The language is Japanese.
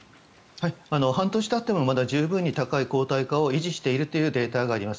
半年たってもまだ十分に高い抗体価を維持しているというデータがあります。